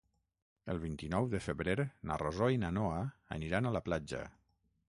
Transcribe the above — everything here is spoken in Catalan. El vint-i-nou de febrer na Rosó i na Noa aniran a la platja.